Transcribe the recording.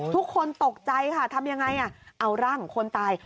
ทุกคนตกใจค่ะทำยังไงเอาร่างของคนตาย